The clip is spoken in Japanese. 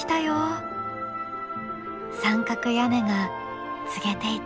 三角屋根が告げていた。